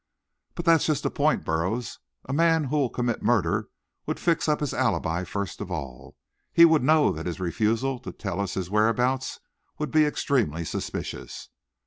"But that's just the point, Burroughs. A man who'll commit murder would fix up his alibi first of all. He would know that his refusal to tell his whereabouts would be extremely suspicious.